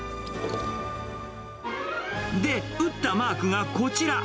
で、打ったマークがこちら。